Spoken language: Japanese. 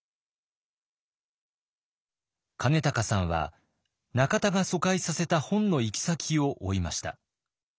金高さんは中田が疎開させた本の行き先を追いました。